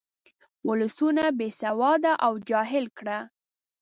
ولسونه بې سواده او جاهل کړه.